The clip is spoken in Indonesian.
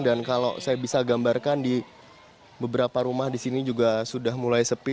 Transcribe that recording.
dan kalau saya bisa gambarkan di beberapa rumah di sini juga sudah mulai sepi